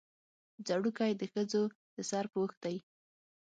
ځړوکی د ښځو د سر پوښ دی